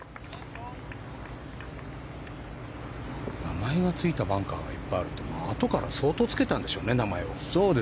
名前がついたバンカーがいっぱいあるってあとから相当つけたんでしょうね名前を。